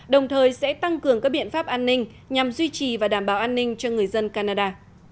đồng thời sẽ tăng cường các biện pháp an ninh nhằm duy trì và đảm bảo an ninh cho người dân canada